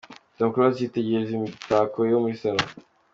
Tom Close yitegereza imitako yo muri Salon.